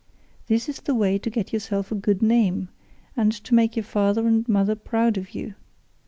This is the way to get yourself a good name, and to make your father and mother proud of you.